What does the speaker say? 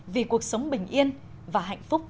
vì cuộc sống bình yên và hạnh phúc